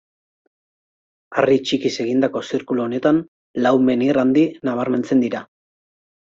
Harri txikiz egindako zirkulu honetan lau menhir handi nabarmentzen dira.